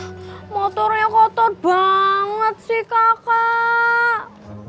ah motornya kotor banget sih kakak